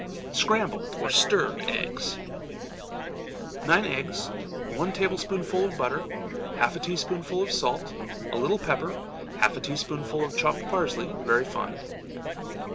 Scrambled or Stirred Eggs. Nine eggs. One tablespoonful of butter. Half a teaspoonful of salt. A little pepper. Half a teaspoonful of chopped parsley very fine.